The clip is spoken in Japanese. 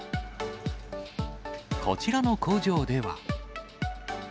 こちらの工場では。